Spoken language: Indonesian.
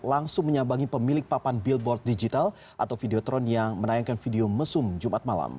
langsung menyambangi pemilik papan billboard digital atau videotron yang menayangkan video mesum jumat malam